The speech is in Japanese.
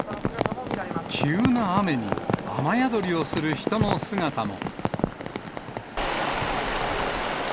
急な雨に、雨宿りをする人の姿も。